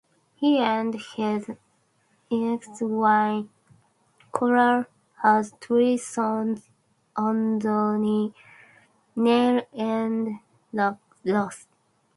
He and his ex-wife Carol had three sons Anthony, Neil, and Ross.